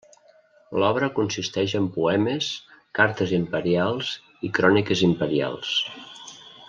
L'obra consisteix en poemes, cartes imperials i cròniques imperials.